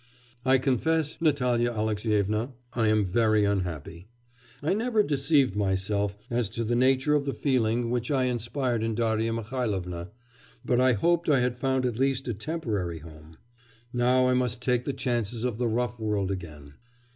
'I confess, Natalya Alexyevna, I am very unhappy. I never deceived myself as to the nature of the feeling which I inspired in Darya Mihailovna; but I hoped I had found at least a temporary home.... Now I must take the chances of the rough world again.